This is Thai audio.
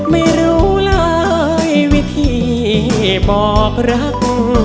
ไม่รู้เลยวิธีบอกรัก